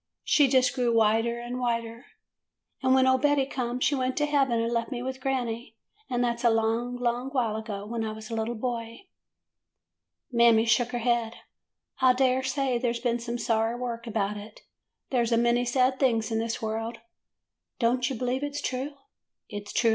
She just grew whiter and whiter, and when old Betty come she went to heaven and left me with granny. And that 's a long, long while ago, when I was a little boy.' ''Mammy shook her head. 'I dare say there 's been some sorry work about it. There 's a many sad things in this world.' " 'Don't you believe it 's true?